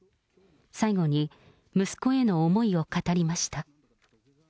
最後に、息子への思いを語りました。